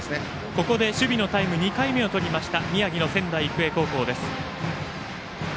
ここで守備のタイム２回目をとりました宮城の仙台育英高校です。